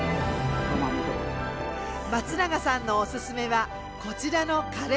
松永さんのオススメはこちらのカレー。